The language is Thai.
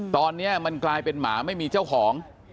ตอนนี้มันกลายเป็นหมาไม่มีเจ้าของ